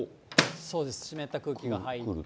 そうです、湿った空気が入って。